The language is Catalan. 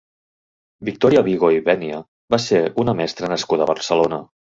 Victòria Vigo i Bènia va ser una mestra nascuda a Barcelona.